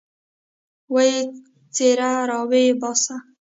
ويې څيره راويې باسه.